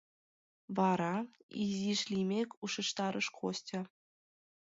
— Вара? — изиш лиймек ушештарыш Костя.